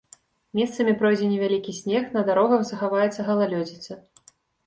Месцамі пройдзе невялікі снег, на дарогах захаваецца галалёдзіца.